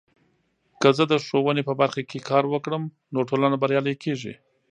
که زه د ښوونې په برخه کې کار وکړم، نو ټولنه بریالۍ کیږي.